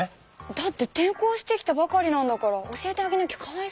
だって転校してきたばかりなんだから教えてあげなきゃかわいそうでしょう。